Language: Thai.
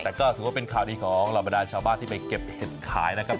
แต่ก็ถือว่าเป็นข่าวดีของเหล่าบรรดาชาวบ้านที่ไปเก็บเห็ดขายนะครับ